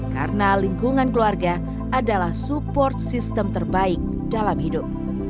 karena lingkungan keluarga adalah support sistem terbaik dalam hidup